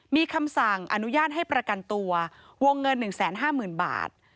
มีคำสั่งอนุญาตให้ประกันตัววงเงิน๑๕๐๐๐บาท